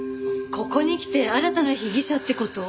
ここにきて新たな被疑者って事？